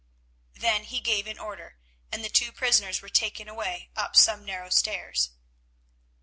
Then he gave an order, and the two prisoners were taken away up some narrow stairs.